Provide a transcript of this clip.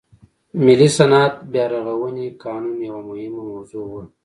ملي صنعت بیا رغونې قانون یوه مهمه موضوع وه.